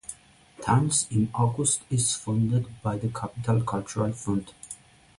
Tanz im August is funded by the Capital Cultural Fund.